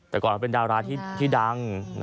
แต่ก่อนเป็นดาราที่ดัง